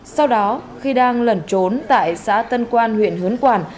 sau đó khi đang lẩn trốn tại xã tân quan huyện hớn quản